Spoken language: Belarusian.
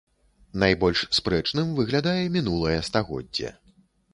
Найбольш спрэчным выглядае мінулае стагоддзе.